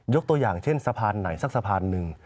ตัวอย่างเช่นสะพานไหนสักสะพานหนึ่ง